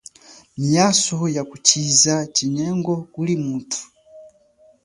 Miaso ya kushiza chinyengo kuli mutu.